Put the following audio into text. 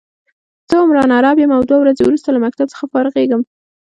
زه عمران عرب يم او دوه ورځي وروسته له مکتب څخه فارغيږم